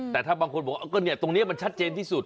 แต่ถ้าบางคนบอกว่าตรงนี้มันชัดเจนที่สุด